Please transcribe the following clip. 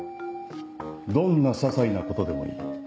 どんな些細なことでもいい。